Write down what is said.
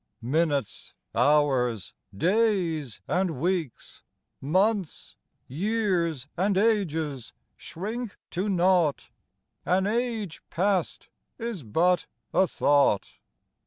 Minutes, hours, days, and weeks, Months, years, and ages, shrink to nought; An age past is but a thought!